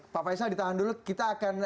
pak faisal ditahan dulu kita akan